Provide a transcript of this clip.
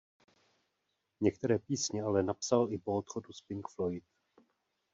Některé písně ale napsal i po odchodu z Pink Floyd.